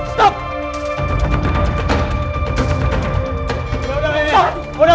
stop udah udah